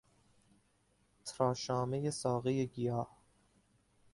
تراشامهی ساقهی گیاه